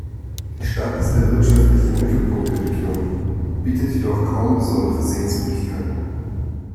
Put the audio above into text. Die Stadt ist der wirtschaftliche Mittelpunkt der Region, bietet jedoch kaum besondere Sehenswürdigkeiten.